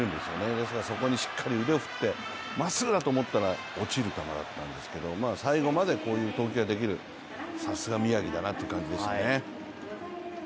ですからそこにしっかり腕を振ってまっすぐだと思ったら落ちる球だったんですけど最後までこういう投球ができるさすが宮城だなという感じですね。